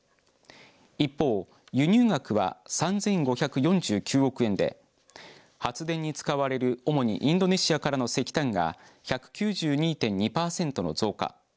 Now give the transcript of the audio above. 一方、輸入額は３５４９億円で発電に使われる主にインドネシアからの石炭が１９２．２パーセントの増加